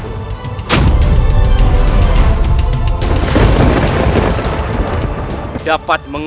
kau akan menang